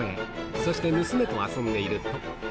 そして、娘と遊んでいると。